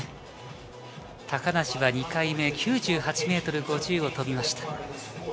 高梨は２回目９８ｍ５０を飛びました。